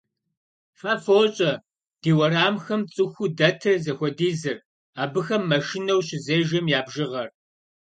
Фэ фощӀэ ди уэрамхэм цӀыхуу дэтыр зыхуэдизыр, абыхэм машинэу щызежэм я бжыгъэр.